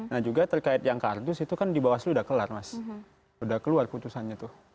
nah juga terkait yang kartus itu kan di bawah sel udah kelar mas udah keluar keputusannya tuh